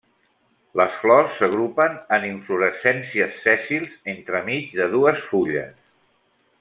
Les flors s'agrupen en inflorescències sèssils entremig de dues fulles.